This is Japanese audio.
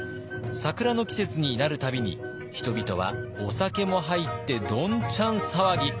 桜の季節になる度に人々はお酒も入ってどんちゃん騒ぎ。